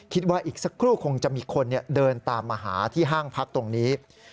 คิดว่าอีกสักครู่คงจะมีคนเดินตามมาหาที่ห้างพักตรงนี้